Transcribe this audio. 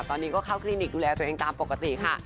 ตอนนี้ก็เข้าคลินิกดูแลตัวเองตามปกติค่ะ